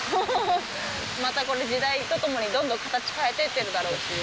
またこれ、時代とともにどんどん形変えていってるだろうし。